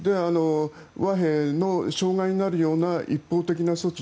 和平の障害になるような一方的な措置